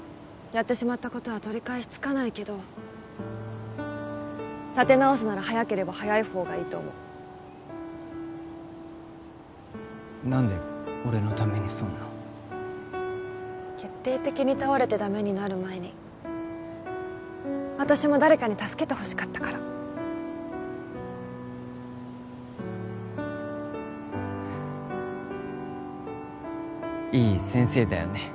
やってしまったことは取り返しつかないけど立て直すなら早ければ早い方がいいと思う何で俺のためにそんな決定的に倒れてダメになる前に私も誰かに助けてほしかったからいい先生だよね